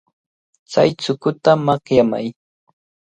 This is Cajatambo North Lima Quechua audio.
Chay chukuta makyamay.